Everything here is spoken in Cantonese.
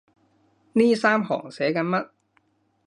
呢三行寫緊乜？